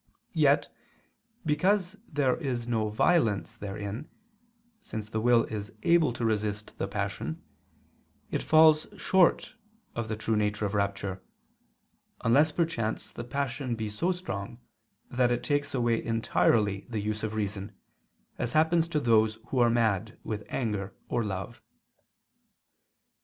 Yet, because there is no violence therein, since the will is able to resist the passion, it falls short of the true nature of rapture, unless perchance the passion be so strong that it takes away entirely the use of reason, as happens to those who are mad with anger or love.